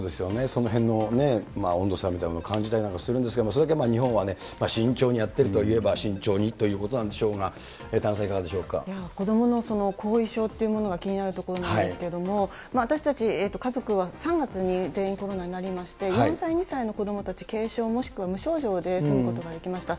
そのへんの温度差みたいのを感じたりもするんですけれども、それだけ日本は慎重にやっているといえば、慎重にということなんでしょうが、子どもの後遺症っていうものが気になるところなんですけども、私たち、家族は３月に全員コロナになりまして、４歳、２歳の子どもたち、軽症もしくは無症状で済むことができました。